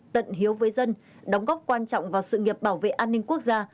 tận hiếu với dân đóng góp quan trọng vào sự nghiệp bảo vệ an ninh quốc gia